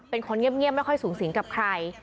เป็นคนเงียบไม่ค่อยสูงสิงกับใคร